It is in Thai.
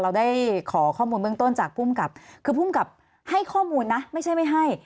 เราได้ขอข้อมูลเบื้องต้นจากภูมิกับคือภูมิกับให้ข้อมูลนะไม่ใช่ไม่ให้